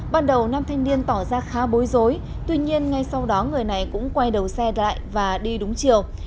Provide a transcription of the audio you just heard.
ban đầu nam thanh niên tỏ ra khá bối rối tuy nhiên ngay sau đó người này cũng quay đầu xe lại và đi đúng chiều